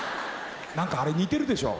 何かあれ似てるでしょ？